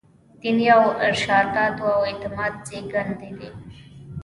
دیني ارشاداتو او اعتقاد زېږنده دي.